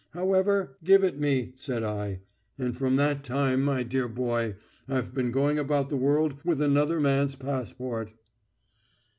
However, 'Give it me,' said I. And from that time, my dear boy, I've been going about the world with another man's passport."